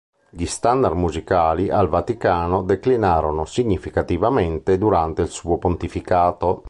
Gli standard musicali al Vaticano declinarono significativamente durante il suo pontificato.